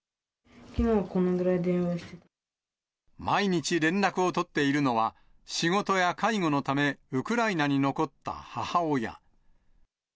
毎日連絡を取っているのは、仕事や介護のため、ウクライナに残った母親。